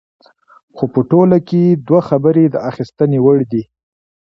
خو په ټوله کې دوه خبرې د اخیستنې وړ دي.